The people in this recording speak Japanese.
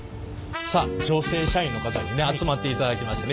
さあ女性社員の方にね集まっていただきました。